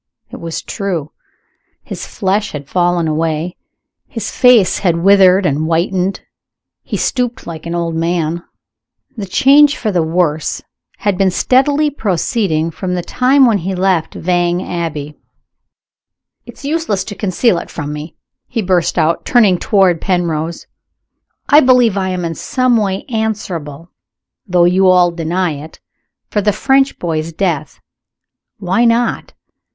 It was true. His flesh had fallen away; his face had withered and whitened; he stooped like an old man. The change for the worse had been steadily proceeding from the time when he left Vange Abbey. "It's useless to conceal it from me!" he burst out, turning toward Penrose. "I believe I am in some way answerable though you all deny it for the French boy's death. Why not?